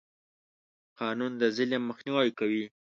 قانون د ظلم مخنیوی کوي.